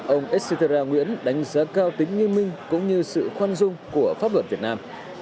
ông estera nguyễn đánh giá cao tính nghiêm minh cũng như sự khoan dung của pháp luật việt nam